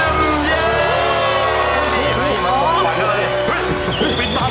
นี่มันปลอดภัยเลย